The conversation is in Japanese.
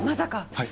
はい。